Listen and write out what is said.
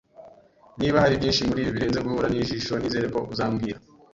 Niba hari byinshi muribi birenze guhura nijisho, nizere ko uzambwira